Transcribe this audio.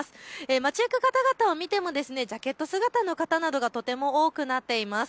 街行く方々を見てもジャケット姿の方などがとても多くなっています。